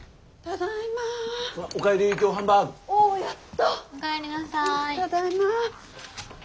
ただいま。